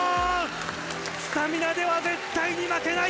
スタミナでは絶対に負けない。